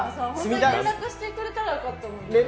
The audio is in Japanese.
連絡してくれたらよかったのに。